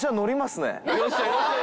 よっしゃよっしゃ。